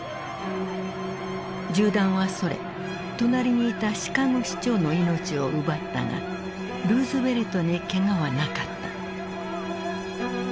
銃弾はそれ隣にいたシカゴ市長の命を奪ったがルーズベルトにけがはなかった。